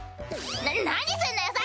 な何すんのよさ！